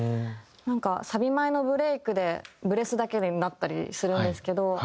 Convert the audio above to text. なんかサビ前のブレークでブレスだけになったりするんですけど。